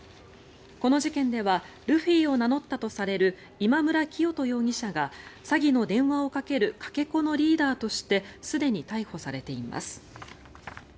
この事件ではルフィを名乗ったとされる今村磨人容疑者が詐欺の電話をかけるかけ子のリーダーとしてすでに逮捕されています。